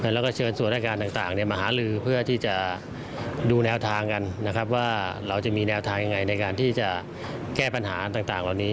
แล้วก็เชิญส่วนรายการต่างมาหาลือเพื่อที่จะดูแนวทางกันนะครับว่าเราจะมีแนวทางยังไงในการที่จะแก้ปัญหาต่างเหล่านี้